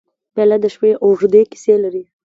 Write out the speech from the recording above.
پیاله د شپې اوږدې کیسې لري.